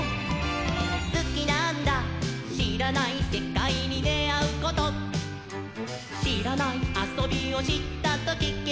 「スキなんだしらないセカイにであうこと」「しらないあそびをしったときケロ！」